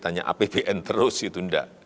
tanya apbn terus itu enggak